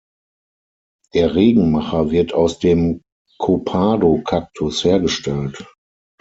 Der Regenmacher wird aus dem Copado-Kaktus hergestellt.